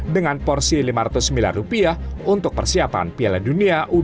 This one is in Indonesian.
dengan porsi lima ratus miliar rupiah untuk persiapan piala dunia u dua puluh